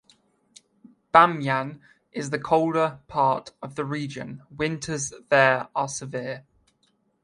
Bamyan is the colder part of the region; winters there are severe.